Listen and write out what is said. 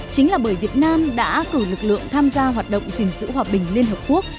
chính là bởi việt nam đã cử lực lượng tham gia hoạt động gìn giữ hòa bình liên hợp quốc